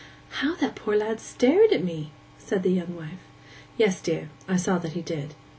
'How that poor lad stared at me!' said the young wife. 'Yes, dear; I saw that he did.